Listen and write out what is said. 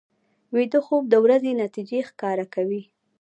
ویده خوب د ورځې نتیجې ښکاره کوي